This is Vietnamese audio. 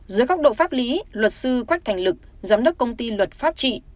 dưới góc độ pháp lý luật sư quách thành lực giám đốc công ty luật pháp trị